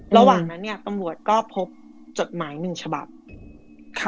ระหว่างนั้นเนี่ยตำรวจก็พบจดหมายหนึ่งฉบับค่ะ